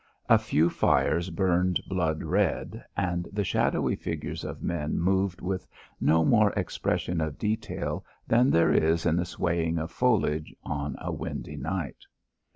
A few fires burned blood red, and the shadowy figures of men moved with no more expression of detail than there is in the swaying of foliage on a windy night.